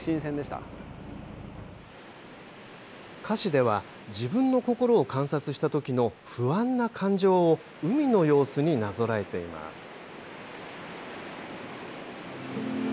歌詞では自分の心を観察したときの不安な感情を海の様子になぞらえています。